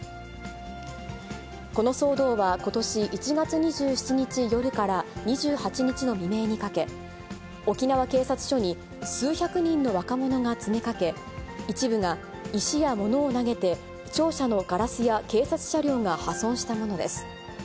この騒動は、ことし１月２７日夜から、２８日の未明にかけ、沖縄警察署に数百人の若者が詰めかけ、一部が石や物を投げて、庁舎のガラスや警察車両が破損したものです。